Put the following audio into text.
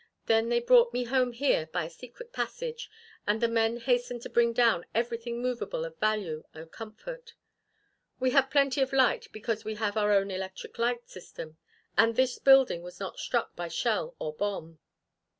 Then they brought me home here by a secret passage, and, the men hastened to bring down everything movable of value or comfort. We have plenty of light because we have our own electric light system, and this building was not struck by shell or bomb.